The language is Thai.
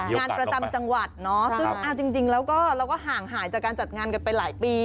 งานประจำจังหวัดจริงแล้วก็ห่างหายจากการจัดงานกันไปหลายปี